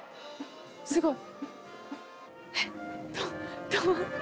すごい！